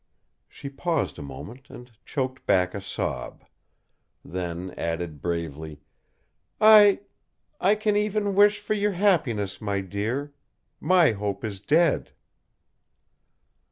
She paused a moment and choked back a sob; then added, bravely, "I I can even wish for your happiness, my dear; my hope is dead."